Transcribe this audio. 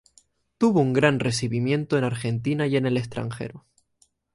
Tuvo un gran recibimiento en Argentina y en el extranjero.